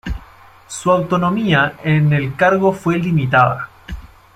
Su autonomía en el cargo fue limitada.